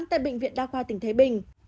tại bệnh viện đao khoa tỉnh thái bình